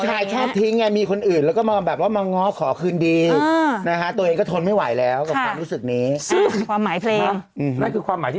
ที่จริงแล้วเขาเป็นเจ้าของปูนิปอิปปิอิปปิ